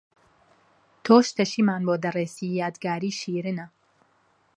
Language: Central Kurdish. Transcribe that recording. تۆش تەشیمان بۆ دەڕێسی یادگاری شیرنە